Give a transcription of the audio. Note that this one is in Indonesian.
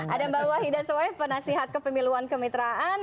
ada mbak wahida soeb penasihat kepemiluan kemitraan